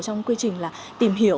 trong quy trình tìm hiểu